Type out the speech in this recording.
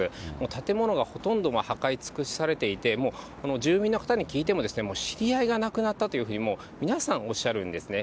建物がほとんど破壊し尽くされていて、この住民の方に聞いても、知り合いが亡くなったというふうに、皆さんおっしゃるんですね。